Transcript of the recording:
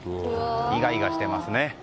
イガイガしていますね。